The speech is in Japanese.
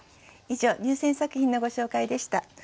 以上入選作品のご紹介でした。